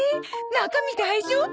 中身大丈夫？